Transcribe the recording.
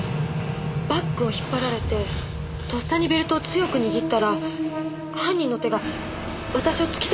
バッグを引っ張られてとっさにベルトを強く握ったら犯人の手が私を突き飛ばす形になって。